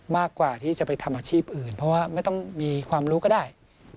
มากกว่าที่จะไปทำอาชีพอื่นเพราะว่าไม่ต้องมีความรู้ก็ได้